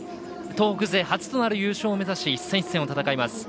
東北勢初となる優勝を目指し一戦一戦を戦います。